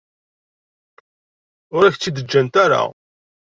Ur ak-tt-id-ǧǧant ara.